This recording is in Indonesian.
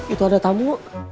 itu ada tamu